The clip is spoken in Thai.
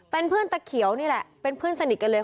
เป็นเพื่อนตะเขียวนี่แหละเป็นเพื่อนสนิทกันเลย